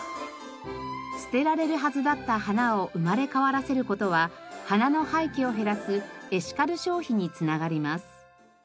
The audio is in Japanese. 捨てられるはずだった花を生まれ変わらせる事は花の廃棄を減らすエシカル消費につながります。